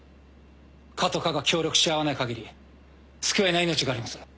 科と科が協力し合わないかぎり救えない命があります。